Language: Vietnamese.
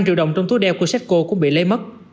năm triệu đồng trong túi đeo của secco cũng bị lấy mất